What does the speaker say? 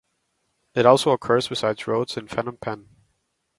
It also occurs besides roads in Phnom Penh.